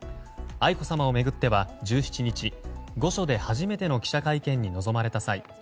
愛子さまを巡っては１７日、御所で初めての記者会見に臨まれた際